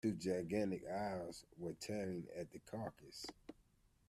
Two gigantic owls were tearing at the carcass.